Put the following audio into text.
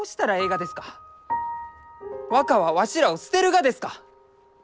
若はわしらを捨てるがですか？